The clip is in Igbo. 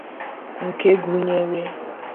nke gụnyere